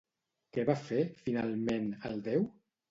Què va fer, finalment, el déu?